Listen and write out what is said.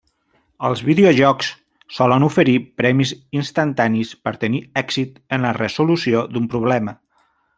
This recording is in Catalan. Els videojocs solen oferir premis instantanis per tenir èxit en la resolució d'un problema.